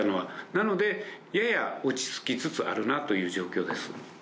なので、やや落ち着きつつあるなという状況です。